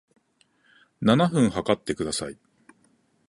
七分測ってください